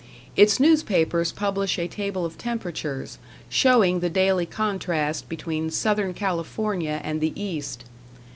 Its newspapers publish a table of temperatures, showing the daily contrast between Southern California and the East.